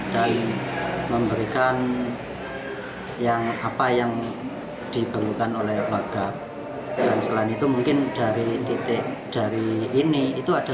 memberikan yang apa yang diperlukan oleh warga dan selain itu mungkin dari titik dari ini itu ada